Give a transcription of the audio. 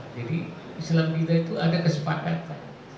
jadi islam mita itu ada kesepakatan